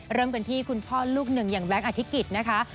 เริ่มกันที่คุณพ่อลูกหนึ่งอย่างแก๊งอธิกิจนะคะ